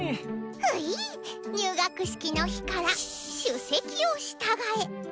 ふいっ入学式の日から首席を従え。